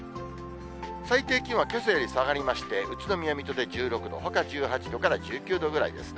最低気温はけさより下がりまして、宇都宮、水戸で１６度、ほか１８度から１９度ぐらいですね。